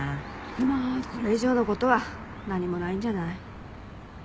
まあこれ以上の事は何もないんじゃない？